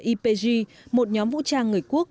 ypg một nhóm vũ trang người quốc